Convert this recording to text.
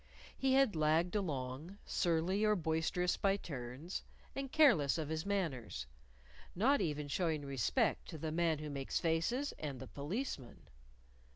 He had lagged along, surly or boisterous by turns, and careless of his manners; not even showing respect to the Man Who Makes Faces and the Policeman!